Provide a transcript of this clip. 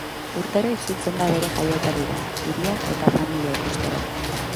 Urtero itzultzen da bere jaioterrira, hiria eta familia ikustera.